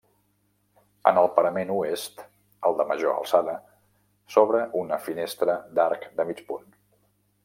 En el parament oest, el de major alçada, s'obre una finestra d'arc de mig punt.